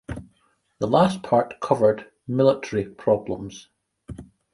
The last part covered military problems.